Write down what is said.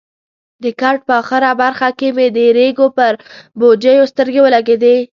د کټ په اخره برخه کې مې د ریګو پر بوجیو سترګې ولګېدې.